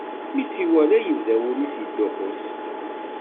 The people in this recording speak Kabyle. Mi tt-iwala yebda wul-is yedduqqus.